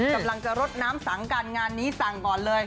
กำลังจะรดน้ำสังกันงานนี้สั่งก่อนเลย